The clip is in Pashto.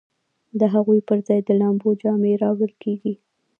د هغو پر ځای د لامبو جامې راوړل کیږي